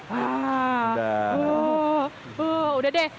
wah udah deh